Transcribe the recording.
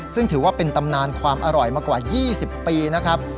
ซึ่งถือว่าเป็นตำนานความอร่อยมากว่า๒๐ปีนะครับ